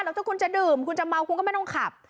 แล้วถ้าคุณจะดื่มคุณจะเมาคุณก็ไม่ต้องขับ